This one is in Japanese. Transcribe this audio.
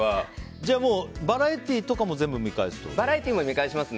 じゃあもうバラエティーとかも見返すの？